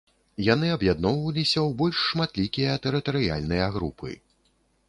Яны аб'ядноўваліся ў больш шматлікія тэрытарыяльныя групы.